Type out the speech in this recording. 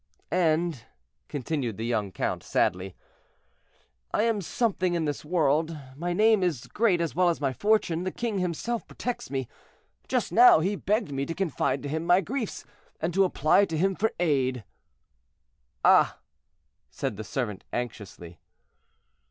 "And," continued the young count, sadly, "I am something in this world; my name is great as well as my fortune, the king himself protects me; just now he begged me to confide to him my griefs and to apply to him for aid." "Ah!" said the servant, anxiously.